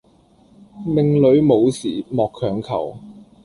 命裡無時莫強求